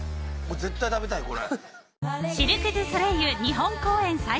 絶対食べたいこれ。